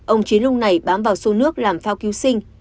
ông chiến lúc này bám vào sô nước làm phao cứu sinh